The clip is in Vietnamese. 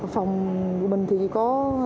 phòng của mình thì có năm đồng chí